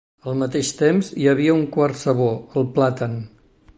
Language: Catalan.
Al mateix temps, hi havia un quart sabor, el plàtan.